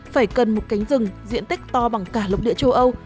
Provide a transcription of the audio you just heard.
phải cần một cánh rừng diện tích to bằng cả lục địa châu âu